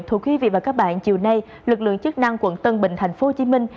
thưa quý vị và các bạn chiều nay lực lượng chức năng quận tân bình thành phố hồ chí minh